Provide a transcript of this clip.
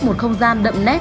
một không gian đậm nét